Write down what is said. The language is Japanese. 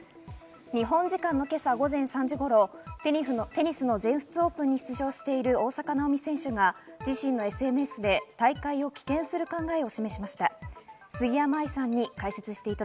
日本時間の今朝午前３時頃、テニスの全仏オープンに出場している大坂なおみ選手が自身のＳＮＳで大会を棄権する考えを示しました。